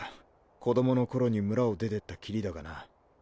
子どもの頃に村を出てったキリだがな。